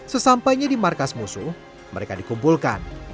sesampainya di markas musuh mereka dikumpulkan